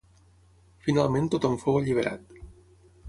Finalment tothom fou alliberat.